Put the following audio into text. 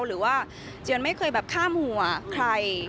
หรือว่าเจียนไม่เคยแบบข้ามหัวใคร